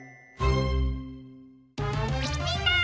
みんな！